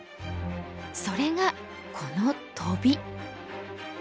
それがこのトビ。